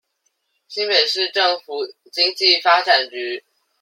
新北市政府經濟發展局